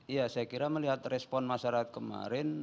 ya saya kira melihat respon masyarakat kemarin